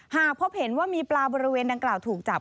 หากพบเห็นว่ามีปลาบริเวณดังกล่าวถูกจับ